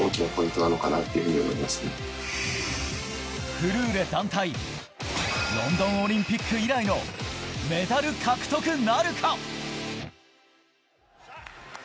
フルーレ団体、ロンドンオリンピック以来のメダル獲得なるか。